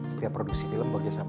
setiap produksi film berkerjasama